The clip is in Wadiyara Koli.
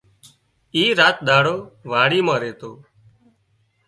اي راچ ۮاڙو واڙي مان ريتو